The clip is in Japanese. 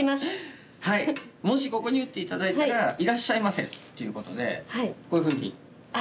もしここに打って頂いたら「いらっしゃいませ」っていうことでこういうふうに。